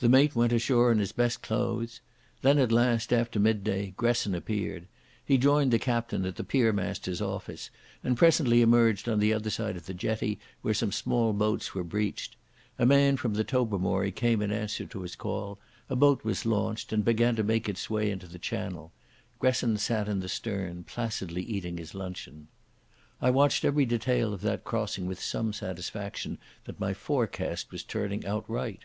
The mate went ashore in his best clothes. Then at last, after midday, Gresson appeared. He joined the captain at the piermaster's office, and presently emerged on the other side of the jetty where some small boats were beached. A man from the Tobermory came in answer to his call, a boat was launched, and began to make its way into the channel. Gresson sat in the stern, placidly eating his luncheon. I watched every detail of that crossing with some satisfaction that my forecast was turning out right.